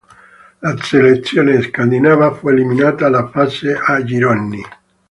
La selezione scandinava fu eliminata alla fase a gironi.